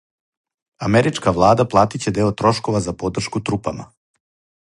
Америчка влада платиће део трошкова за подршку трупама.